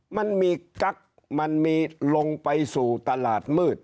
มันมีกั๊กมันมีลงไปสู่ตลาดมืด